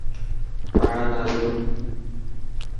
ٻاڙا نا جو.